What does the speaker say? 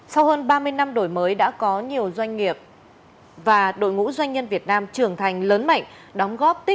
sau hơn ba mươi năm đổi mới đã có nhiều doanh nghiệp và đội ngũ doanh nhân việt nam trưởng thành lớn mạnh